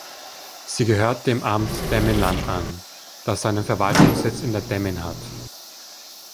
Sie gehört dem Amt Demmin-Land an, das seinen Verwaltungssitz in der Demmin hat.